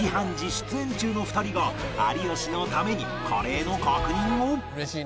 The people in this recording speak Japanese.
出演中の２人が有吉のためにカレーの確認を